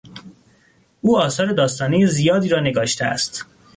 او آثار داستانی زیادی را نگاشته است.